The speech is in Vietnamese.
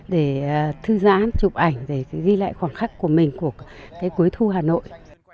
để thư giãn chụp ảnh để ghi lại khoảng khắc của mình của cuối thu hà nội